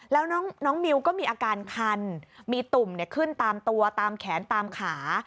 แล้วน้องมิวก็มีอาการคันมีตุ่มขึ้นตามตัวตามแขนตามขา